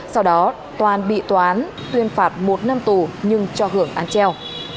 sau đó toàn bị toán tuyên phạt một năm tù nhưng cho hưởng an treo